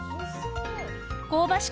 香ばしく